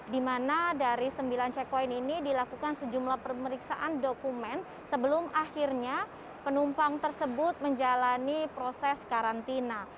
di mana dari sembilan checkpoint ini dilakukan sejumlah pemeriksaan dokumen sebelum akhirnya penumpang tersebut menjalani proses karantina